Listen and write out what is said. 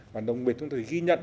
và đồng biệt chúng ta ghi nhận